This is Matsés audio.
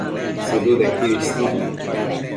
Sëdëdequid isnu